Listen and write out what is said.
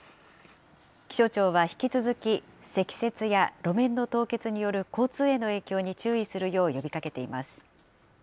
気象庁は引き続き積雪や路面の凍結による交通への影響に注意するよう呼びかけています。